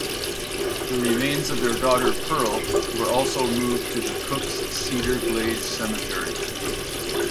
The remains of their daughter Pearl were also moved to Cooks Cedar Glade Cemetery.